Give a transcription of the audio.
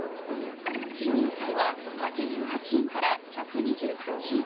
チンゲン菜は８８円から１２８円。